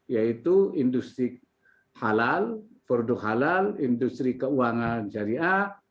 yaitu industri halal produk halal industri keuangan syariah